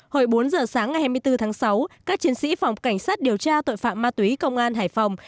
hồi bốn giờ sáng ngày hai mươi bốn tháng sáu các chiến sĩ phòng cảnh sát điều tra tội phạm ma túy công an hải phòng